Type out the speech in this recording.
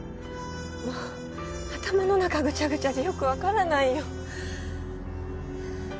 もう頭の中ぐちゃぐちゃでよくわからないよ。